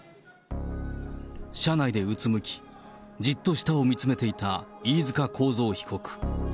車内でうつむき、じっと下を見つめていた飯塚幸三被告。